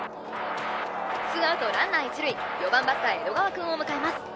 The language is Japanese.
ツーアウトランナー一塁４番バッター江戸川くんを迎えます